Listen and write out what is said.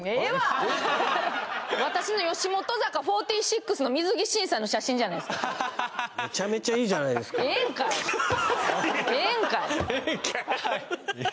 私の吉本坂４６の水着審査の写真じゃないですかえ